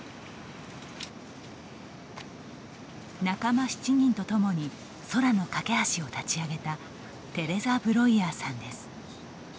仲間７人とともに空の架け橋を立ち上げたテレザ・ブロイアーさんです。